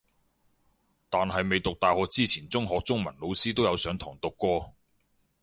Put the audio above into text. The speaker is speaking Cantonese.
但係未讀大學之前中學中文老師都有上堂讀過